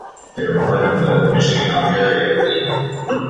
They were a part of the Michigan-Ontario League.